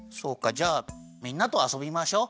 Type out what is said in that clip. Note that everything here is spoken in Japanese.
じゃあみんなとあそびましょう。